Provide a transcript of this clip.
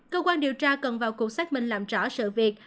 cơ quan điều tra cần vào cuộc xác minh làm rõ sự việc